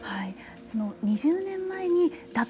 その２０年前に打倒